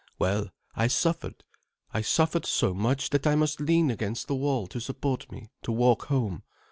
Well, I suffered. I suffered so much, that I must lean against the wall to support me to walk home.